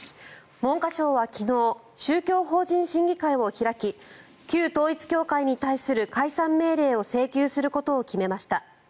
文科省は昨日宗教法人審議会を開き旧統一教会に対する解散命令を請求することを決めました。